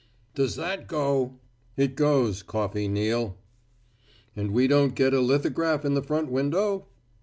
"Does that go?" "It goes, Coffey Neal." "And we don't get a lithograph in the front window?"